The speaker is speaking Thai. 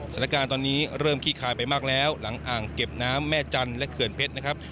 สถานการณ์ตอนนี้เริ่มขี้คายไปมากแล้วหลังอ่างเก็บน้ำแม่จันทร์และเขื่อนเพชรนะครับ